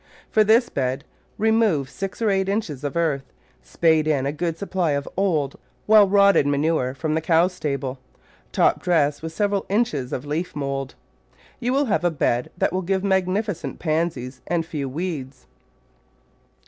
For this bed re move six or eight inches of earth, spade in a good supply of old, well rotted manure from the cow stable, top dress with several inches of leaf mould. You will have a bed that will give magnificent Pansies and few weeds.